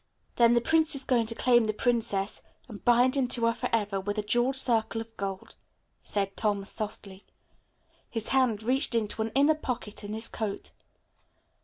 "Then the prince is going to claim the princess and bind her to him forever with a jeweled circle of gold," said Tom softly. His hand reached into an inner pocket of his coat.